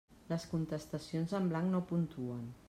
Les contestacions en blanc no puntuen.